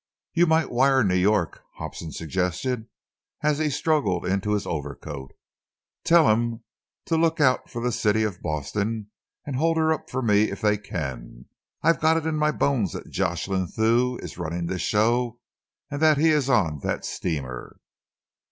"You might wire New York," Hobson suggested, as he struggled into his overcoat. "Tell 'em to look out for the City of Boston, and to hold her up for me if they can. I've got it in my bones that Jocelyn Thew is running this show and that he is on that steamer."